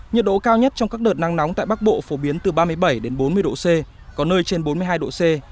nhiệt độ cao nhất trong các đợt nắng nóng tại bắc bộ phổ biến từ ba mươi bảy đến bốn mươi độ c có nơi trên bốn mươi hai độ c